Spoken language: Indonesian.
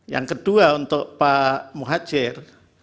yang kedua untuk pak muhajir